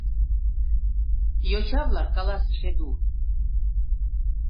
— Йоча-влак, — каласыш Эду.